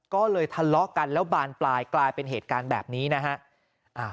ก็เลยทะเลาะกันแล้วบานปลายกลายเป็นเหตุการณ์แบบนี้นะฮะ